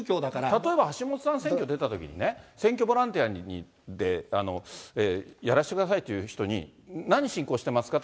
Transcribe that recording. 例えば橋下さん、選挙出たときにね、選挙ボランティアに、やらしてくださいっていう人に、何信仰してますか？